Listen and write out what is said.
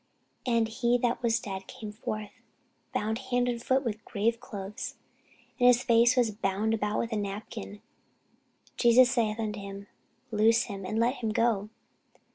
And he that was dead came forth, bound hand and foot with graveclothes: and his face was bound about with a napkin. Jesus saith unto them, Loose him, and let him go.